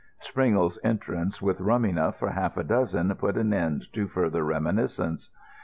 Springle's entrance with rum enough for half a dozen put an end to further reminiscence.